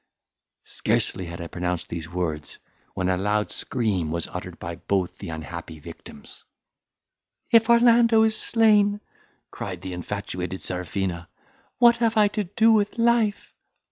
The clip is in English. Scarce had I pronounced these words, when a loud scream was uttered by both the unhappy victims. "If Orlando is slain," cried the infatuated Serafina, "what have I to do with life?